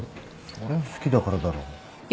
そりゃあ好きだからだろ。